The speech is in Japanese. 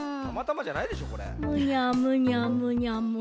むにゃむにゃむにゃむにゃ。